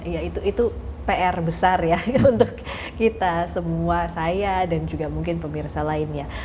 ya itu pr besar ya untuk kita semua saya dan juga mungkin pemirsa lainnya